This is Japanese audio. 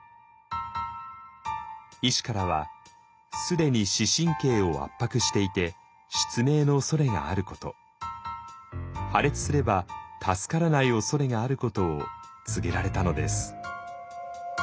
医師からは既に視神経を圧迫していて失明のおそれがあること破裂すれば助からないおそれがあることを告げられたのです。